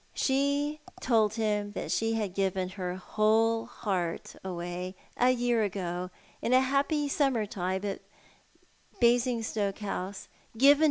She told him that she had given h^er whol he t iiway a year ago in a happy summertide at Basingstoke Hou'« ^pven